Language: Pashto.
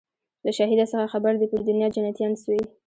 له شهیده څه خبر دي پر دنیا جنتیان سوي